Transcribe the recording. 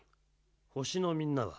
ほしのみんなは？